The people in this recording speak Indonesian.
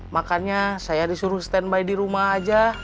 makanya saya disuruh stand by di rumah aja